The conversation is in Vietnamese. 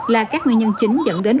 là các nguyên nhân chính dẫn đến